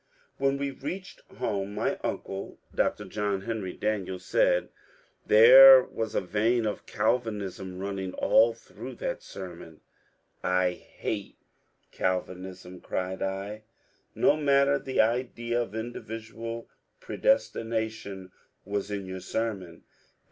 When we reached home my uncle Dr. John Henry Daniel said, ^^ There was a vein of Calvinism running all through that sermon." ^'I hate Calvinism," cried I. ^^No matter: the idea of individual predestination was in your sermon.